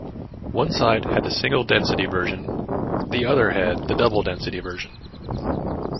One side had the single-density version, the other had the double-density version.